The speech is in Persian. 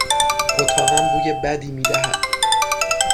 اتاقم بوی بدی می دهد.